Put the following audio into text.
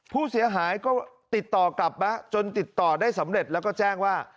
ผู้เสียหายก็ติดต่อกลับมาจนติดต่อได้สำเร็จแล้วก็แจ้งว่า